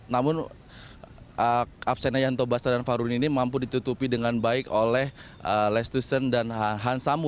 namun absen yanto basta dan farudin ini mampu ditutupi dengan baik oleh lestusen dan hansamu